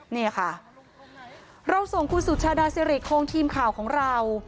นี่ค่ะเราส่งคุณสุชาดาสิริโครงทีมข่าวของเรา